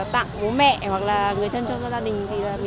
tặng bố mẹ hoặc là người thân cho gia đình thì mình rất là vui